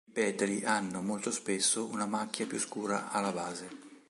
I petali hanno, molto spesso, una macchia più scura alla base.